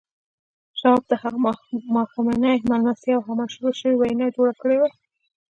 شواب ته هغه ماښامنۍ مېلمستیا او هغه مشهوره شوې وينا يې جوړه کړې وه.